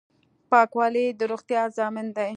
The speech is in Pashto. پاکوالی د روغتیا ضامن دی.